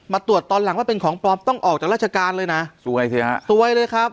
ตรวจตอนหลังว่าเป็นของปลอมต้องออกจากราชการเลยนะสวยสิฮะซวยเลยครับ